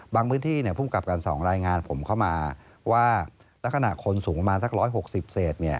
บางพื้นที่พุ่งกลับกัน๒รายงานผมเข้ามาว่าละขณะคนสูงประมาณ๑๖๐เซต